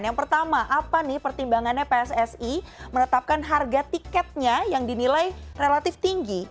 yang pertama apa nih pertimbangannya pssi menetapkan harga tiketnya yang dinilai relatif tinggi